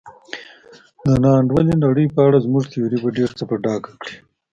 د نا انډولې نړۍ په اړه زموږ تیوري به ډېر څه په ډاګه کړي.